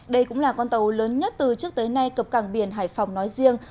đây cũng là con tàu lớn nhất từ trước tới nay cập cảng biển hải phòng nói riêng